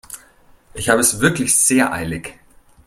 Ich habe es wirklich sehr eilig.